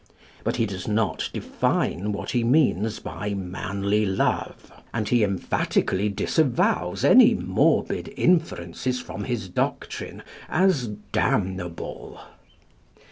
But he does not define what he means by "manly love." And he emphatically disavows any "morbid inferences" from his doctrine as "damnable."